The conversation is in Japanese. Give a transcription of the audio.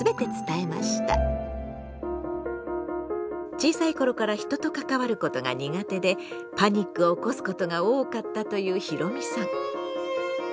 小さい頃から人と関わることが苦手でパニックを起こすことが多かったというひろみさん。